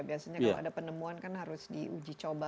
biasanya kalau ada penemuan kan harus diuji coba